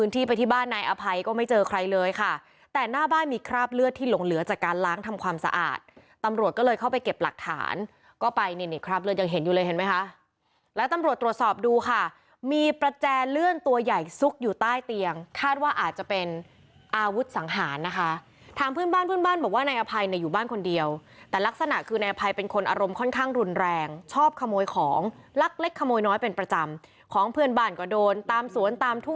ที่บ้านนายอภัยก็ไม่เจอใครเลยค่ะแต่หน้าบ้านมีคราบเลือดที่หลงเหลือจากการล้างทำความสะอาดตำรวจก็เลยเข้าไปเก็บหลักฐานก็ไปเนี่ยเนี่ยคราบเลือดยังเห็นอยู่เลยเห็นมั้ยคะแล้วตำรวจตรวจสอบดูค่ะมีประแจเลื่อนตัวใหญ่ซุกอยู่ใต้เตียงคาดว่าอาจจะเป็นอาวุธสังหารนะคะถามเพื่อนบ้านเพื่อนบ้านบอกว่านายอภั